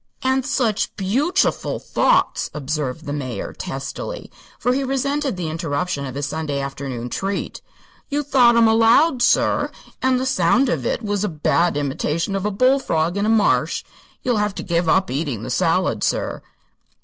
"An' such _beaut_chiful thoughts," observed the Major, testily, for he resented the interruption of his Sunday afternoon treat. "You thought 'em aloud, sir, and the sound of it was a bad imithation of a bullfrog in a marsh. You'll have to give up eating the salad, sir."